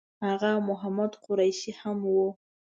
آغا محمد قریشي هم و.